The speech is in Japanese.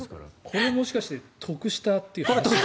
これ、もしかして得したっていう。